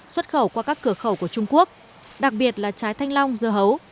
xuất khẩu qua các cửa khẩu của trung quốc đặc biệt là trái thanh long dưa hấu